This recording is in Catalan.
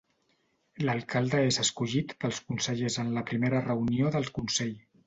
L'alcalde és escollit pels consellers en la primera reunió del Consell.